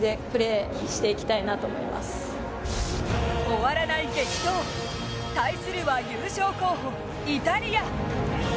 終わらない激闘、対するは優勝候補・イタリア。